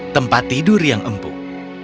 tempat tidur yang empuk